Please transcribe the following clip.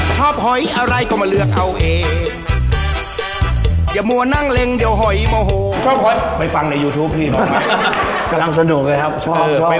ชอบหอยอะไรก็มาเลือกเอาเองอย่ามัวนั่งเล็งเดี๋ยวหอยโมโห